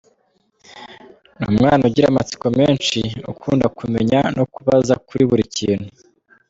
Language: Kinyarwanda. Ni umwana ugira amatsiko menshi, ukunda kumenya no kubaza kuri buri kintu.